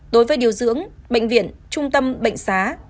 đối với điều dưỡng bệnh viện trung tâm bệnh xá